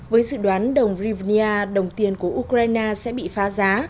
với dự đoán đồng rivenia đồng tiền của ukraine sẽ bị phá giá